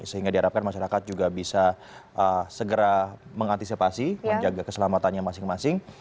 sehingga diharapkan masyarakat juga bisa segera mengantisipasi menjaga keselamatannya masing masing